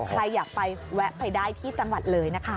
ใครอยากไปแวะไปได้ที่จังหวัดเลยนะคะ